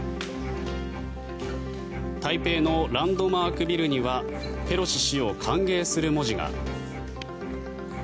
台北のランドマークビルにはペロシ氏を歓迎する文字が。